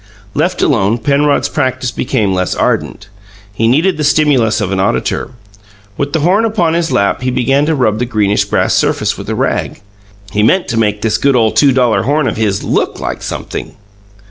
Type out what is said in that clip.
Left alone, Penrod's practice became less ardent; he needed the stimulus of an auditor. With the horn upon his lap he began to rub the greenish brass surface with a rag. He meant to make this good ole two dollar horn of his LOOK like sumpthing!